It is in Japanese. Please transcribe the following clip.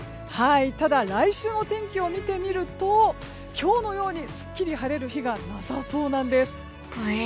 ただ来週の天気を見てみると今日のようにすっきり晴れる日がなさそうなんです。